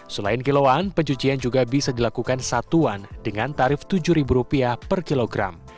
selain kiloan pencucian juga bisa dilakukan satuan dengan tarif tujuh rupiah per kilogram